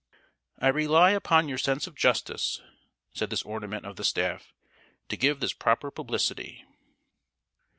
"I rely upon your sense of justice," said this ornament of the staff, "to give this proper publicity."